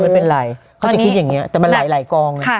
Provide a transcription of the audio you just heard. เค้าจะคิดอย่างนี้แต่มันหลายกอง